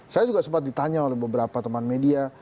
saya juga sempat ditanya oleh beberapa teman media